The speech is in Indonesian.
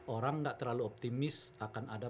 orang nggak terlalu optimis akan ada